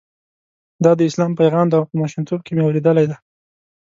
دا د اسلام پیغام دی او په ماشومتوب کې مې اورېدلی.